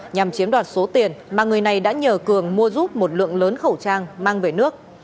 nhằm chiếm đoạt số tiền mà người này đã nhờ cường mua giúp một lượng lớn khẩu trang mang về nước